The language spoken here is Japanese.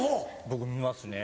僕見ますね。